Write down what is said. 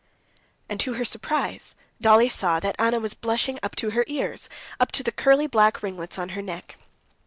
And to her surprise Dolly saw that Anna was blushing up to her ears, up to the curly black ringlets on her neck.